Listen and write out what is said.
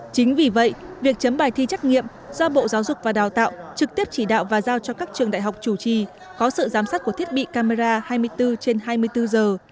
chính vì vậy việc chấm bài thi trắc nghiệm do bộ giáo dục và đào tạo trực tiếp chỉ đạo và giao cho các trường đại học chủ trì có sự giám sát của thiết bị camera hai mươi bốn trên hai mươi bốn giờ